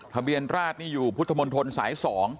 ทะเบียนราชนี่อยู่พุทธมนตรสาย๒